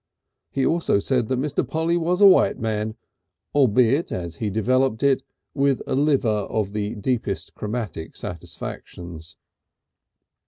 He also said that Mr. Polly was a "white man," albeit, as he developed it, with a liver of the deepest chromatic satisfactions.